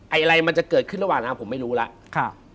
อะไรมันจะเกิดขึ้นระหว่างนั้นผมไม่รู้แล้ว